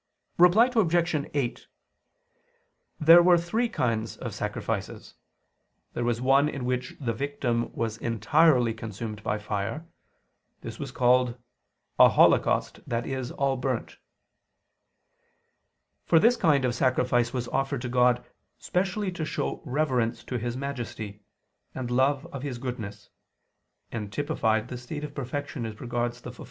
Reply Obj. 8: There were three kinds of sacrifices. There was one in which the victim was entirely consumed by fire: this was called "a holocaust, i.e. all burnt." For this kind of sacrifice was offered to God specially to show reverence to His majesty, and love of His goodness: and typified the state of perfection as regards the fulfilment of the counsels.